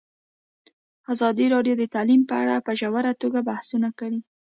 ازادي راډیو د تعلیم په اړه په ژوره توګه بحثونه کړي.